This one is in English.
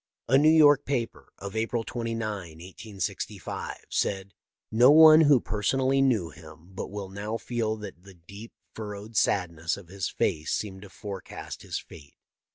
A New York paper, of April 29, 1865, said: "No one who personally knew him but will now feel that the deep, furrowed sad ness of his face seemed to forecast his fate.